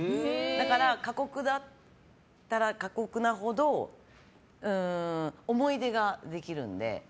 だから、過酷だったら過酷なほど思い出ができるので。